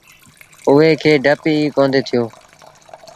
اُئي کي ڊپ ئيٚ ڪوندي ٿيو۔